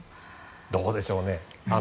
どうでしょうね。